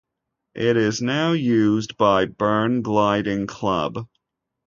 It is now used by Burn Gliding Club.